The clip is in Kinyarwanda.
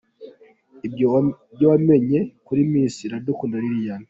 Ibyo wamenya kuri Miss Iradukunda Liliane.